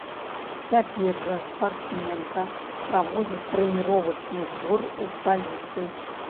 Цяпер жа спартсменка праводзіць трэніровачны збор у сталіцы.